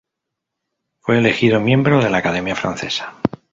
Fue elegido miembro de la Academia francesa.